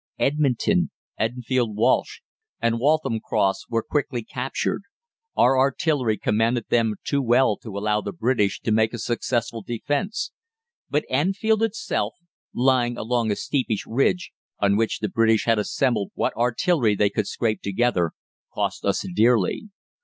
Edmonton, Enfield Wash, and Waltham Cross were quickly captured; our artillery commanded them too well to allow the British to make a successful defence; but Enfield itself, lying along a steepish ridge, on which the British had assembled what artillery they could scrape together, cost us dearly.